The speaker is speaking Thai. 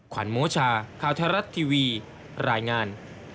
ขวัญโมชาข่าวไทยรัฐทีวีรายงาน